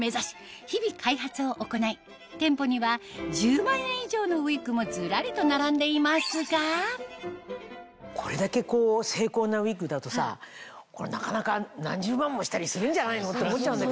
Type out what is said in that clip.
日々開発を行い店舗には１０万円以上のウィッグもずらりと並んでいますがこれだけ精巧なウィッグだとさ何十万もしたりするんじゃないのって思っちゃうんだけど。